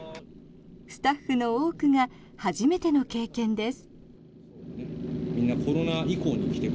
スタッフの多くが初めての経験です。